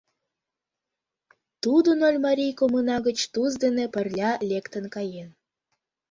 Тудо Нольмарий коммуна гыч Туз дене пырля лектын каен.